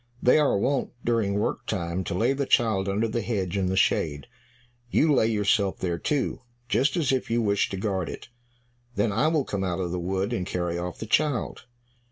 They are wont, during work time, to lay the child under the hedge in the shade; you lay yourself there too, just as if you wished to guard it. Then I will come out of the wood, and carry off the child.